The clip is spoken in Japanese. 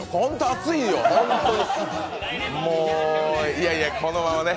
いやいや、このままね